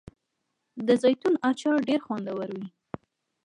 د زیتون اچار ډیر خوندور وي.